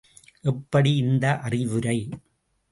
எப்படி இந்த அறிவுரை!